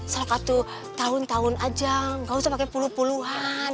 salah kartu tahun tahun aja gak usah pake puluh puluhan